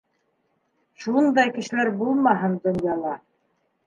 Шундай кешеләр булмаһын донъяла.